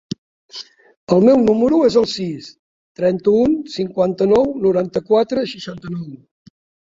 El meu número es el sis, trenta-u, cinquanta-nou, noranta-quatre, seixanta-nou.